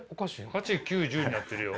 ８、９、１０になってるよ。